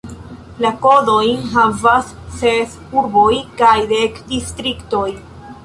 La kodojn havas ses urboj kaj dek distriktoj.